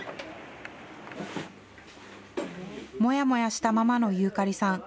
もやもやしたままの遊かりさん。